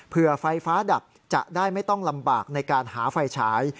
เพื่อไฟฟ้าดับจะได้ไม่ต้องลำบากในการหาไฟฉาย